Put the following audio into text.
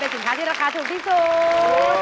สินค้าที่ราคาถูกที่สุด